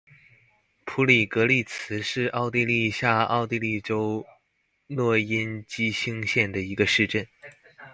普里格利茨是奥地利下奥地利州诺因基兴县的一个市镇。